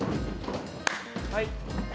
はい。